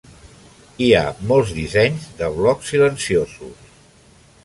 Hi ha molts dissenys de blocs silenciosos.